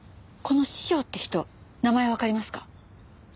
この師匠って人名前わかりますか？